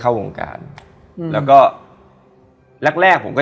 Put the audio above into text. กล้วยอยู่